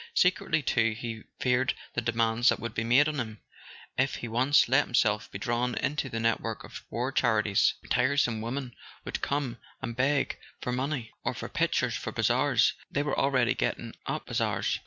Secretly, too, he feared the demands that would be made on him if he once let himself be drawn into the network of war charities. Tiresome women would come [ 129 ] A SON AT THE FRONT and beg for money, or for pictures for bazaars: they were already getting up bazaars.